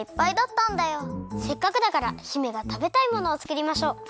せっかくだから姫がたべたいものをつくりましょう！